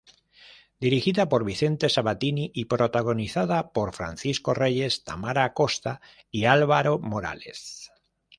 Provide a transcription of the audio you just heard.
Dirigida por Vicente Sabatini y protagonizada por Francisco Reyes, Tamara Acosta y Álvaro Morales.